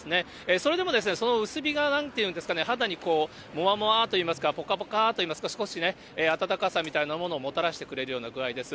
それでもその薄日が、なんていうんですかね、肌にもわもわといいますか、ぽかぽかといいますか、少しね、暖かさみたいなものをもたらしてくれるような具合です。